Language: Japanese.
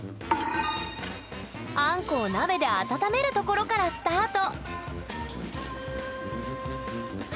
あんこを鍋で温めるところからスタート！